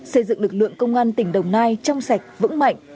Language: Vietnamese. xây dựng lực lượng công an tỉnh đồng nai trong sạch vững mạnh